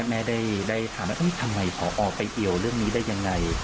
แม่ได้ถามว่าทำไมผอไปเอี่ยวเรื่องนี้ได้ยังไง